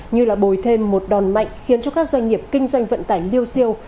như là bồi thêm một đòn mạnh khiến cho các doanh nghiệp kinh doanh vận tải liêu siêu